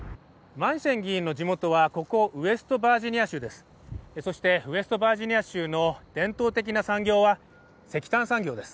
マンシェン議員の地元はここ、ウェストバージニア州です。